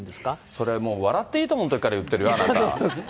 それはもう笑っていいとものときから言ってるよ、あなた。